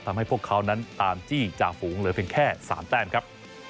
พวกเขานั้นตามจี้จ่าฝูงเหลือเพียงแค่๓แต้มครับ